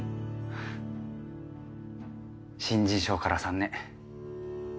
新人賞から３年。